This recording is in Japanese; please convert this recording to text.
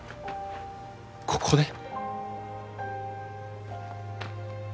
ここで？